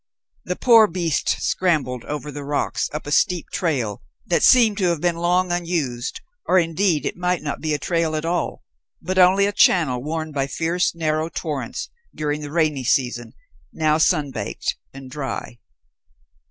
The poor beast scrambled over the rocks up a steep trail that seemed to have been long unused, or indeed it might be no trail at all, but only a channel worn by fierce, narrow torrents during the rainy season, now sun baked and dry.